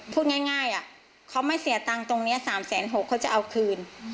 พูดง่ายเขาไม่เสียตังค์ตรงนี้๓๖๐๐เขาจะเอาคืน